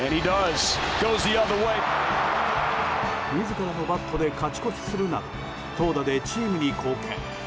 自らのバットで勝ち越しするなど投打でチームに貢献。